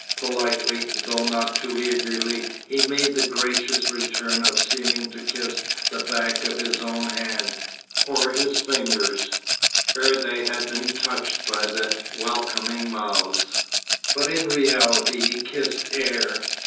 Politely, though not too eagerly, he made the gracious return of seeming to kiss the back of his own hand, or his fingers, where they had been touched by the welcoming mouths, but in reality he kissed air.